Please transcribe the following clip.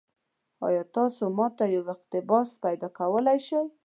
ایا تاسو ما ته یو اقتباس پیدا کولی شئ؟